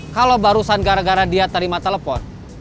kalau barusan gara gara dia terima telepon